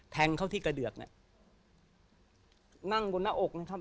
แทงเขาที่เกดือกนั่งบนหน้าอกนะครับ